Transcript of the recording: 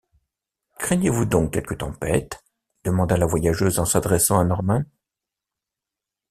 Craignez-vous donc quelque tempête? demanda la voyageuse en s’adressant à Norman.